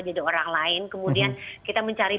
jadi orang lain kemudian kita mencari